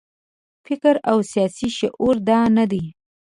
فکر او سیاسي شعور دا نه دی.